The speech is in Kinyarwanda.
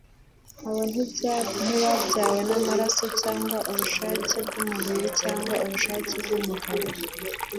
Abo ntibabyawe n'amaraso cyangwa ubushake bw'umubiri cyangwa ubushake bw'umugabo,